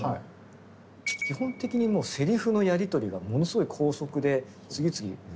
基本的にセリフのやり取りがものすごい高速で次々。